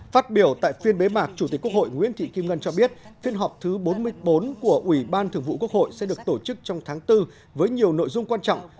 phát biểu tại phiên bế mạc chủ tịch quốc hội nguyễn thị kim ngân cho biết phiên họp thứ bốn mươi bốn của ủy ban thường vụ quốc hội sẽ được tổ chức trong tháng bốn với nhiều nội dung quan trọng